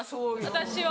私は。